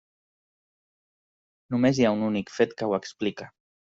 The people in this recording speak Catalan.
Només hi ha un únic fet que ho explica.